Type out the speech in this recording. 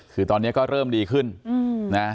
คือตอนนี้ก็เริ่มดีขึ้นนะ